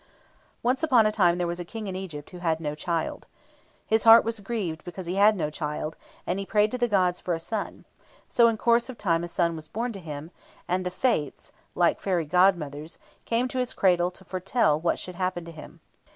Once upon a time there was a King in Egypt who had no child. His heart was grieved because he had no child, and he prayed to the gods for a son; so in course of time a son was born to him, and the Fates (like fairy godmothers) came to his cradle to foretell what should happen to him.